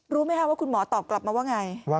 รู้ไหมคะว่าคุณหมอตอบกลับมาว่าไง